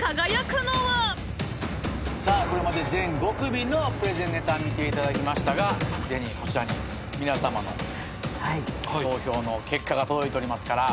さあこれまで全５組のプレゼンネタ見ていただきましたがすでにこちらに皆さまの投票の結果が届いておりますから。